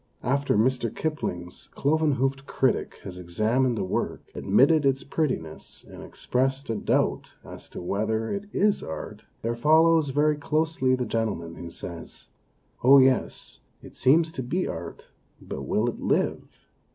After Mr. Kipling's cloven hoofed critic has examined a work, admitted its prettiness, and expressed a doubt as to whether it is art, there follows very closely the gentleman who says, " Oh yes, it seems to be art, but will it live?